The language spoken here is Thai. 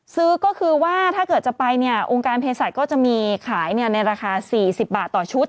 ซื้อก็คือว่าถ้าเกิดจะไปเนี่ยองค์การเพศัตว์ก็จะมีขายในราคา๔๐บาทต่อชุด